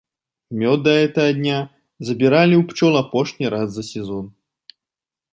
Мёд да гэтага дня забіралі ў пчол апошні раз за сезон.